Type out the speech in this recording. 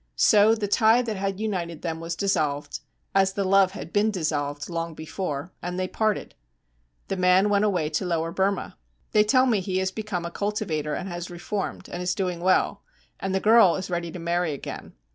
So the tie that had united them was dissolved, as the love had been dissolved long before, and they parted. The man went away to Lower Burma. They tell me he has become a cultivator and has reformed, and is doing well; and the girl is ready to marry again.